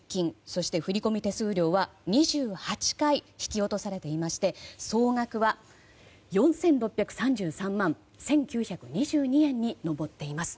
そして振込手数料は２８回引き落とされていまして総額は４６３３万１９２２円に上っています。